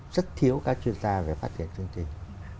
rất thiếu các chuyên gia về phát triển chương trình